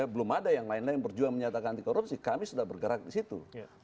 belum ada yang lain lain yang berjuang menyatakan anti korupsi kami sudah bergerak di situ